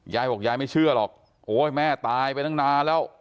ยายบอกยายไม่เชื่อหรอกโอ๊ยแม่ตายไปตั้งนานแล้ว